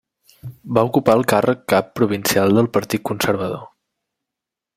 Va ocupar el càrrec cap provincial del Partit Conservador.